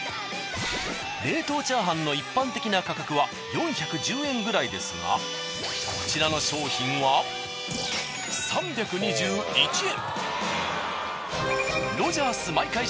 冷凍炒飯の一般的な価格は４１０円くらいですがこちらの商品は３２１円。